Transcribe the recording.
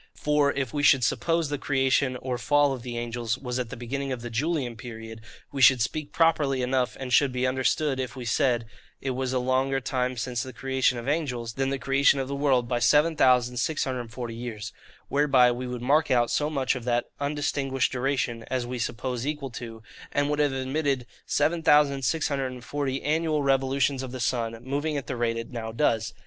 For, if we should suppose the creation, or fall of the angels, was at the beginning of the Julian period, we should speak properly enough, and should be understood if we said, it is a longer time since the creation of angels than the creation of the world, by 7640 years: whereby we would mark out so much of that undistinguished duration as we suppose equal to, and would have admitted, 7640 annual revolutions of the sun, moving at the rate it now does.